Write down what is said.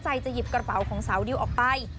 จะหยิบกระเป๋าของสาวดิวออกไป